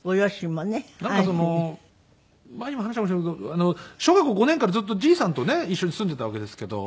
なんか前にも話したかもしれませんけど小学校５年からずっとじいさんとね一緒に住んでいたわけですけど。